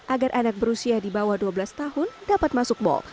agar anak berusia di bawah dua belas tahun dapat masuk mal